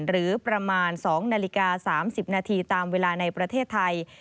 หรือประมาณ๒นาฬิกา๓๐นาทีตามเวลาในประเทศไทย